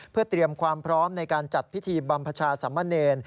เพื่อเตรียมความพร้อมในการจัดพิธีบัพชาสมเนร